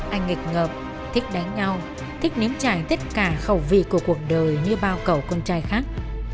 anh nghịch ngợp thích đánh nhau thích nếm trải tất cả khẩu vị của cuộc đời như bao cậu con trai khác